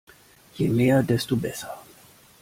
Je mehr, desto besser.